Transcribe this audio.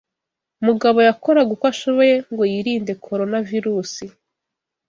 Mugabo yakoraga uko ashoboye ngo yirinde Coronavirusi.